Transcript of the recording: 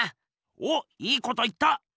おっいいこと言った！